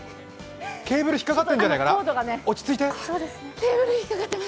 ケーブル引っ掛かってるんじゃないかな？